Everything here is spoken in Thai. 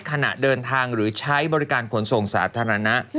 ขณะเดินทางหรือใช้บริการขนส่งสาธารณะ